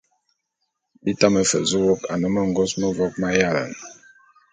Bi tame fe zu wôk ane mengôs mevok m'ayalane.